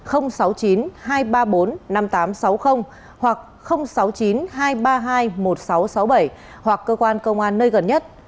sáu mươi chín hai trăm ba mươi bốn năm nghìn tám trăm sáu mươi hoặc sáu mươi chín hai trăm ba mươi hai một nghìn sáu trăm sáu mươi bảy hoặc cơ quan công an nơi gần nhất